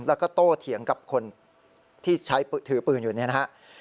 แล้วก็โตเถียงกับคนที่ใช้ถือปืนอยู่เนี่ยนะครับ